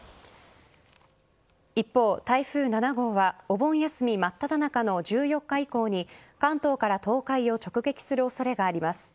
一方、台風７号はお盆休み真っただ中の１４日以降に関東から東海を直撃する恐れがあります。